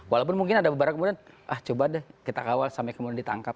walaupun mungkin ada beberapa kemudian ah coba deh kita kawal sampai kemudian ditangkap